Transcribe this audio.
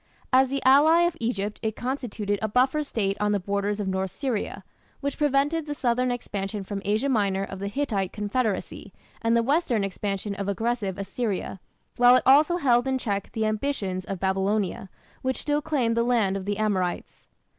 As the ally of Egypt it constituted a buffer state on the borders of North Syria, which prevented the southern expansion from Asia Minor of the Hittite confederacy and the western expansion of aggressive Assyria, while it also held in check the ambitions of Babylonia, which still claimed the "land of the Amorites".